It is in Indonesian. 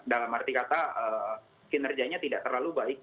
dalam arti kata kinerjanya tidak terlalu baik